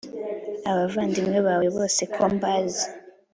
abavandimwe bawe bose ko mbazi